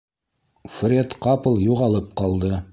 Фред ҡапыл юғалып ҡалды.